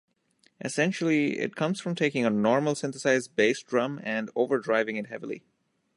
Essentially, it comes from taking a normal synthesized bass drum and over-driving it heavily.